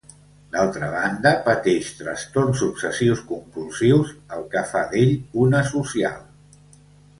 D'altra banda pateix trastorns obsessius compulsius, el que fa d'ell un asocial.